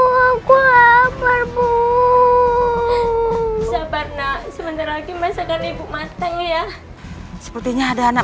bu lapar bu sabar nak sebentar lagi masakan ibu matang ya sepertinya ada anak